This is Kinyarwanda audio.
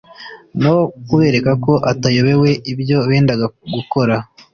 no kubereka ko atayobewe ibyo bendaga gukora